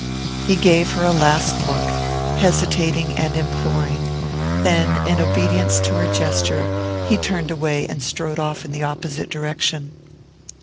He gave her a last look, hesitating and imploring; then, in obedience to her gesture, he turned away and strode off in the opposite direction.